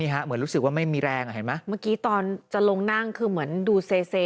เหมือนรู้สึกว่าไม่มีแรงอ่ะเห็นไหมเมื่อกี้ตอนจะลงนั่งคือเหมือนดูเซ